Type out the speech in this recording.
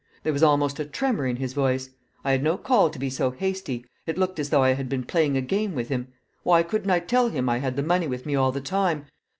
There was almost a tremor in his voice. I had no call to be so hasty; it looked as though I had been playing a game with him. Why couldn't I tell him I had the money with me all the time?